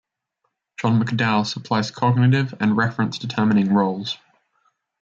John McDowell supplies cognitive and reference-determining roles.